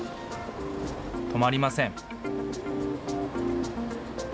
止まりません。